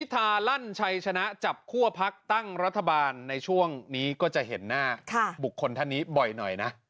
ทาลั่นชัยชนะจับคั่วพักตั้งรัฐบาลในช่วงนี้ก็จะเห็นหน้าบุคคลท่านนี้บ่อยหน่อยนะ